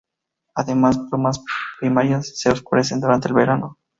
Además plumas primarias se oscurecen durante el verano.